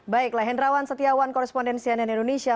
baiklah hendrawan setiawan korespondensi ann indonesia